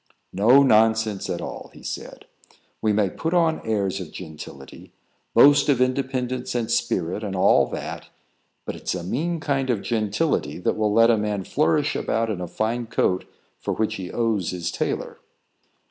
"No nonsense at all," he said. "We may put on airs of gentility, boast of independence and spirit, and all that; but it's a mean kind of gentility that will let a man flourish about in a fine coat for which he owes his tailor.